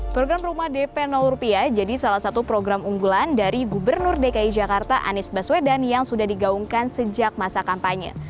program rumah dp rupiah jadi salah satu program unggulan dari gubernur dki jakarta anies baswedan yang sudah digaungkan sejak masa kampanye